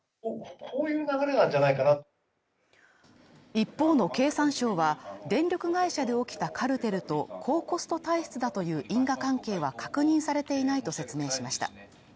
一方の経産省は電力会社で起きたカルテルと高コスト体質だという因果関係は確認されていないと説明しました。